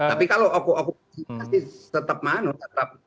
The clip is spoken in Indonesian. tapi kalau okupansi ini masih tetap mana